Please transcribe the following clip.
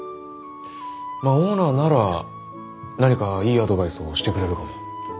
まあオーナーなら何かいいアドバイスをしてくれるかも。